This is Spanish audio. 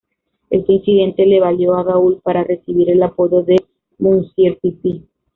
Este incidente le valió a Gaul para recibir el apodo de "Monsieur Pipi".